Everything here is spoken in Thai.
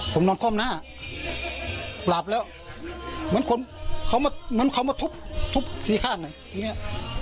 ผมนอนคลอบหน้าหลับแล้วเหมือนเขามาทุบทุบซีข้างฟังแบบเนี่ย